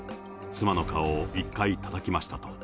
すると、妻の顔を一回たたきましたと。